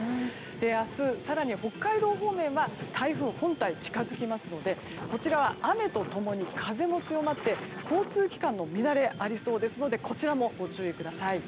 明日、更に北海道方面は台風本体が近づきますのでこちらは雨と共に風も強まって交通機関の乱れがありそうですのでこちらもご注意ください。